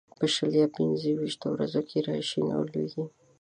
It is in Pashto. په شل یا پنځه ويشتو ورځو کې را شین او لوېږي.